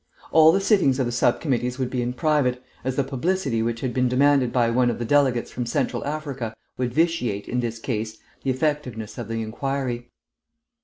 "All the sittings of the sub committees would be in private, as the publicity which had been demanded by one of the delegates from Central Africa would vitiate, in this case, the effectiveness of the inquiry.